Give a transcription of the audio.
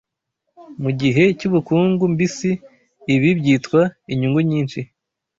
Mu gihe cy’ubukungu mbisi ibi byitwa inyungu nyinshi